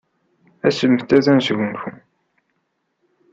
Asemt-d ad nesgunfu.